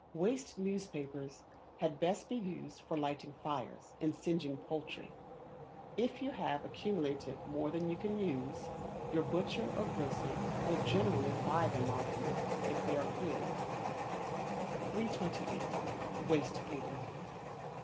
Waste newspapers had best be used for lighting fires and singeing poultry. If you have accumulated more than you can use, your butcher or grocer will generally buy them of you if they are clean. 328. Waste Paper.